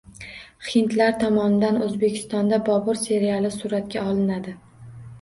Hindlar tomonidan O‘zbekistonda Bobur seriali suratga olinadi